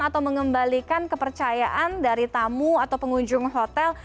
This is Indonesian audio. atau mengembalikan kepercayaan dari tamu atau pengunjung hotel